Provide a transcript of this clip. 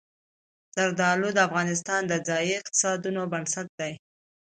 زردالو د افغانستان د ځایي اقتصادونو بنسټ دی.